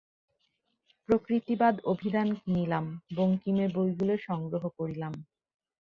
প্রকৃতিবাদ অভিধান কিনিলাম, বঙ্কিমের বইগুলো সংগ্রহ করিলাম।